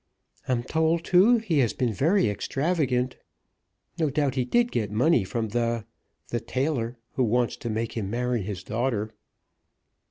"I'm told, too, he has been very extravagant. No doubt he did get money from the, the tailor who wants to make him marry his daughter."